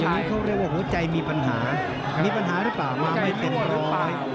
อย่างนี้เขาเรียกว่าหัวใจมีปัญหามีปัญหาหรือเปล่าหัวใจมาไม่เต็มร้อย